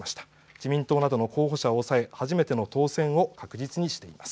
自民党などの候補者を抑え初めての当選を確実にしています。